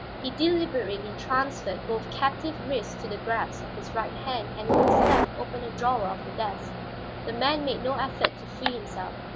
He deliberately transferred both captive wrists to the grasp of his right hand and with his left opened a drawer of the desk. The man made no effort to free himself.